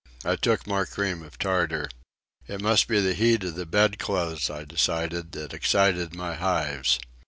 I took more cream of tartar. It must be the heat of the bed clothes, I decided, that excited my hives.